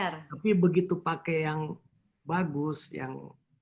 tapi begitu pakai yang bagus yang